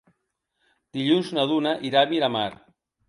Dilluns na Duna irà a Miramar.